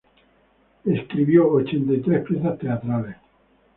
Escribió ochenta y tres piezas teatrales.